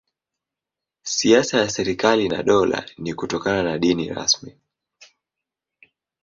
Siasa ya serikali na dola ni kutokuwa na dini rasmi.